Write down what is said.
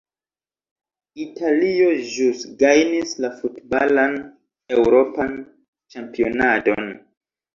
Italio ĵus gajnis la futbalan eŭropan ĉampionadon.